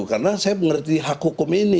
karena saya mengerti hak hukum ini